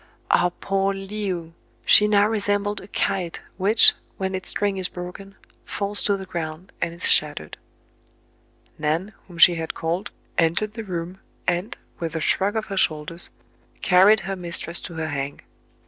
Ah, poor Le ou ! she now resembled a kite, which, when its string is broken, falls to the ground and is shattered. Nan, whom she had called, entered the room, and, with a shrug of her shoulders, carried her mistress to her "hang."